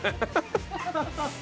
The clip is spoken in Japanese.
アハハハ。